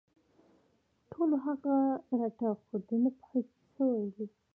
ټولو هغه رټه خو دی نه پوهېده څه یې ویلي